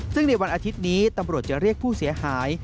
ซึ่งในวันอาทิตย์นี้ตำรวจจะเรียกผู้เสียหาย